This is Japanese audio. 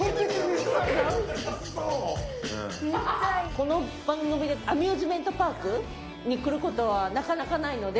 この番組でアミューズメントパークに来る事はなかなかないので。